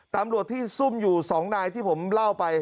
ตำรวจที่ซุ่มอยู่๒นายที่ผมเล่าไป